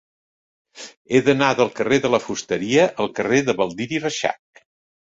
He d'anar del carrer de la Fusteria al carrer de Baldiri Reixac.